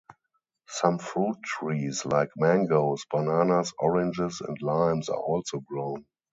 Some fruit trees like mangoes, bananas, oranges and limes are also grown.